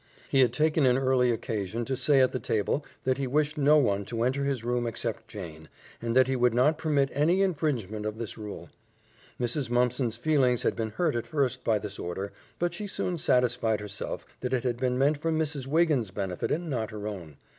He had taken an early occasion to say at the table that he wished no one to enter his room except Jane, and that he would not permit any infringement of this rule. Mrs. Mumpson's feelings had been hurt at first by this order, but she soon satisfied herself that it had been meant for Mrs. Wiggins' benefit and not her own.